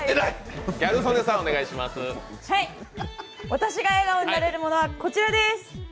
私が笑顔になれるものはこちらです。